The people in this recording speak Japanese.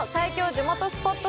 地元スポット